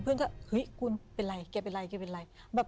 เฮ้ยคุณกูเป็นไรเกี่ยวเป็นไร